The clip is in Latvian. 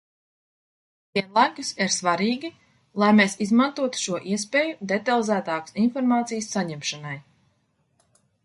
Vienlaikus ir svarīgi, lai mēs izmantotu šo iespēju detalizētākas informācijas saņemšanai.